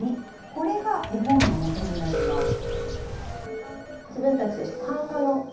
これが絵本のもとになります。